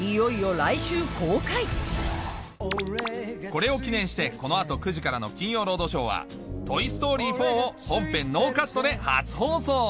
これを記念してこの後９時からの『金曜ロードショー』は『トイ・ストーリー４』を本編ノーカットで初放送！